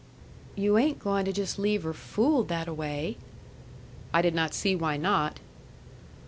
"You ain't going to jus' leave her fooled that a way?" I did not see why not.